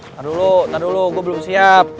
tar dulu tar dulu gue belum siap